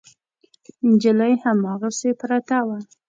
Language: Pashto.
نجلۍ هماغسې پرته وه.